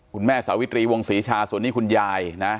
สาวิตรีวงศรีชาส่วนนี้คุณยายนะ